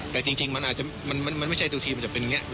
แต่จริงมันอาจจะมันไม่ใช่ดูทีมันจะเป็นอย่างนี้